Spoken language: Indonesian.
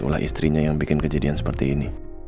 ulah istrinya yang bikin kejadian seperti ini